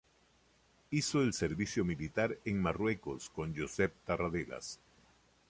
Hizo el servicio militar en Marruecos con Josep Tarradellas.